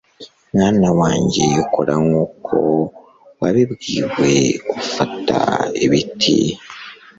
Mwana wanjye ukora nkuko wabibwiwe Ufata ibiti